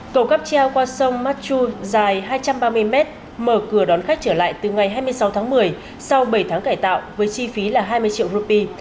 cầu cắp treo qua sông matchu dài hai trăm ba mươi mét mở cửa đón khách trở lại từ ngày hai mươi sáu tháng một mươi sau bảy tháng cải tạo với chi phí là hai mươi triệu rupee